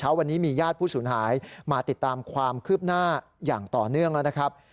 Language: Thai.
วันนี้มีญาติผู้สูญหายมาติดตามความคืบหน้าอย่างต่อเนื่องแล้วนะครับ